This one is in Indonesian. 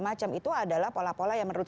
macam itu adalah pola pola yang menurut